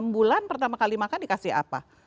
enam bulan pertama kali makan dikasih apa